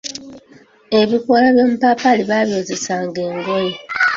Abikoola by’omupaapaali baabyozesanga engoye.